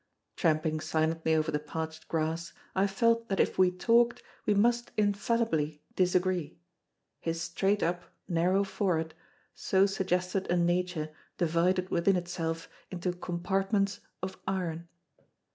Tramping silently over the parched grass, I felt that if we talked, we must infallibly disagree; his straight up, narrow forehead so suggested a nature divided within itself into compartments of iron.